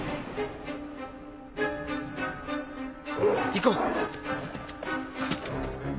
行こう。